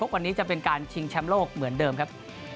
วันนี้จะเป็นการชิงแชมป์โลกเหมือนเดิมครับ